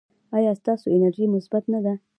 ایا ستاسو انرژي مثبت نه ده؟